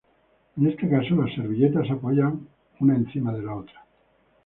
En este caso, las servilletas se apoyan una encima de la otra.